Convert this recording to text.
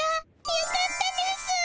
よかったですぅ。